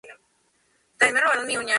Ejemplo: las arterias coronarias.